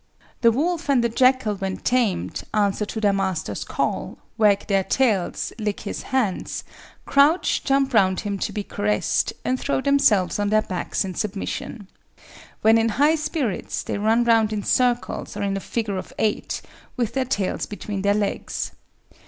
The wolf and the jackal when tamed answer to their master's call, wag their tails, lick his hands, crouch, jump round him to be caressed, and throw themselves on their backs in submission. When in high spirits they run round in circles or in a figure of eight, with their tails between their legs.